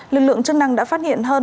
lực lượng chức năng đã phát hiện